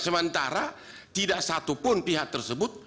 sementara tidak satu pun pihak tersebut